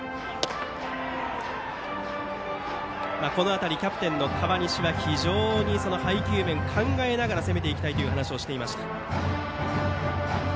この辺りキャプテンの河西は配球面を考えながら攻めていきたいと話していました。